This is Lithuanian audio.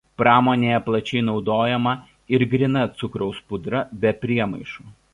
Pramonėje plačiai naudojama ir gryna cukraus pudra be priemaišų.